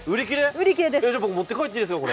じゃ僕、持って帰っていいですか？